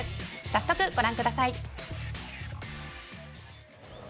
早速、ご覧ください。